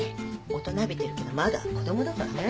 大人びてるけどまだ子供だからね。